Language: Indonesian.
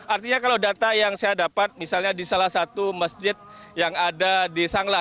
artinya kalau data yang saya dapat misalnya di salah satu masjid yang ada di sangla